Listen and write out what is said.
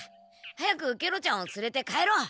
早くケロちゃんをつれて帰ろう。